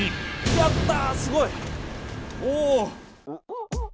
やった！